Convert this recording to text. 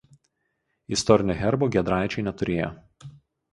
Istorinio herbo Giedraičiai neturėjo.